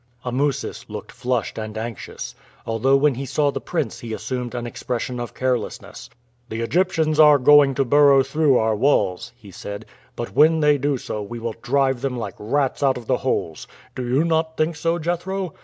Amusis looked flushed and anxious, although when he saw the prince he assumed an expression of carelessness. "The Egyptians are going to burrow through our walls," he said; "but when they do we will drive them like rats out of the holes. Do you not think so, Jethro?"